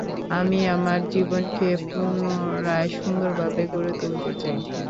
আমি আমার জীবনকে পুনরায় সুন্দরভাবে গড়ে তুলতে চাই।